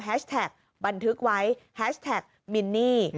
แท็กบันทึกไว้แฮชแท็กมินนี่